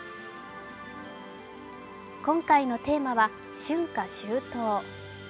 今回のテーマは「春夏秋冬」。